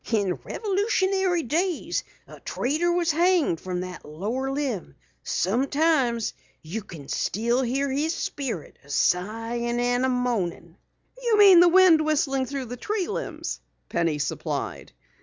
"In Revolutionary days a traitor was hanged from that lower limb. Sometimes you kin still hear his spirit sighin' and moanin'." "You mean the wind whistling through the tree limbs," Penny supplied.